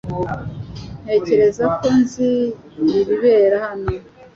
Ntekereza ko nzi ibibera hano .